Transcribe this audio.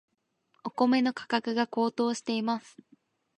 お米の価格が高騰しています。